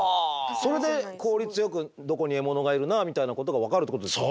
それで効率よくどこに獲物がいるなみたいなことが分かるってことですか。